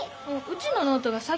うちのノートが先。